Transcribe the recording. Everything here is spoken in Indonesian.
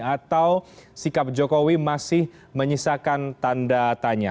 atau sikap jokowi masih menyisakan tanda tanya